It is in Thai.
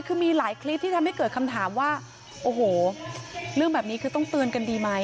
คือมีหลายคลิปที่ทำให้เกิดคำถามว่าโอ้โหเรื่องแบบนี้คือต้องเตือนกันดีไหม